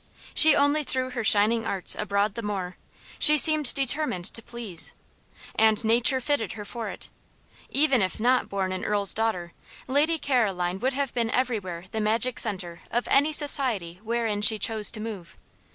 She only threw her shining arts abroad the more; she seemed determined to please. And Nature fitted her for it. Even if not born an earl's daughter, Lady Caroline would have been everywhere the magic centre of any society wherein she chose to move.